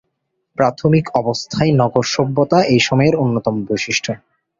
প্রাথমিক অবস্থার নগর সভ্যতা এই সময়ের অন্যতম বৈশিষ্ট্য।